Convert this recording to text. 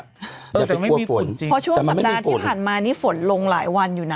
เออแต่ไม่มีฝุ่นจริงแต่มันไม่มีฝุ่นเพราะช่วงสัปดาห์ที่ผ่านมานี้ฝุ่นลงหลายวันอยู่น่ะ